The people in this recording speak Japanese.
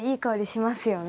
しますよね。